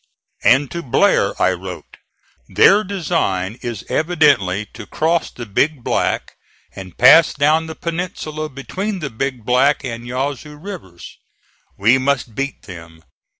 And to Blair I wrote: "Their design is evidently to cross the Big Black and pass down the peninsula between the Big Black and Yazoo rivers. We must beat them.